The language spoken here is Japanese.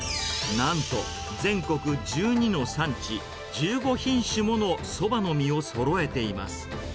なんと、全国１２の産地１５品種ものそばの実をそろえています。